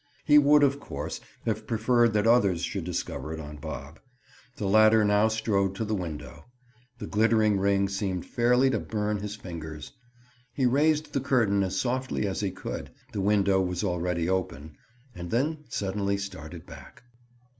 He would, of course, have preferred that others should discover it on Bob. The latter now strode to the window; the glittering ring seemed fairly to burn his fingers. He raised the curtain as softly as he could—the window was already open—and then suddenly started back.